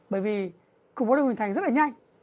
bởi vì cục máu đông hình thành rất là nhanh